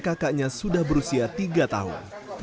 kakaknya sudah berusia tiga tahun